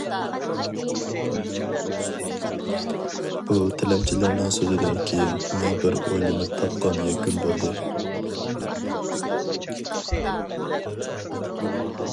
بۇ، تىلەمچىلەرنىڭ سۆزىدىن كىيىن مىڭبىر ئويلىنىپ تاپقان يەكۈن بولدى.